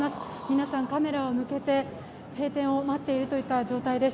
皆さん、カメラを向けて閉店を待っているといった状態です。